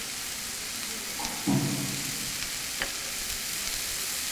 瓦莫什乔拉德。